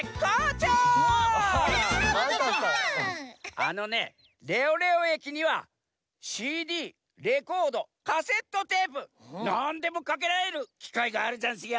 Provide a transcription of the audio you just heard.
あのねレオレオ駅にはＣＤレコードカセットテープなんでもかけられるきかいがあるざんすよ。